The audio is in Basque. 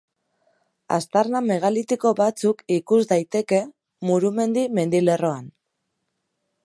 Aztarna megalitiko batzuk ikus daiteke Murumendi mendilerroan.